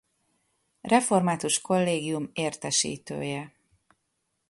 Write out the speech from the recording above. Református Kollégium Értesítője.